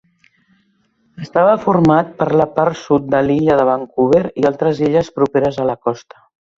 Estava format per la part sud de l'illa de Vancouver i altres illes properes a la costa.